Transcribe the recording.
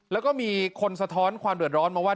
แล้วก็มีคนสะท้อนความเดือดร้อนมาว่า